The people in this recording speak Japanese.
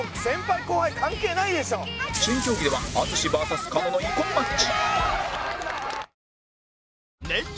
新競技では淳 ＶＳ 狩野の遺恨マッチ